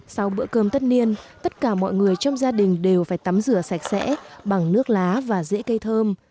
sau bữa cơm tất niên tất cả mọi người trong gia đình đều phải tắm rửa sạch sẽ bằng nước lá và dễ cây thơm